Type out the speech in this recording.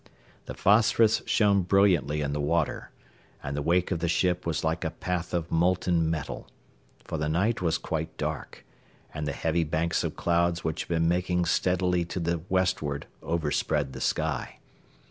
The phosphorus shone brilliantly in the water, and the wake of the ship was like a path of molten metal, for the night was quite dark and the heavy banks of clouds which had been making steadily to the westward over spread the sky.